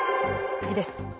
次です。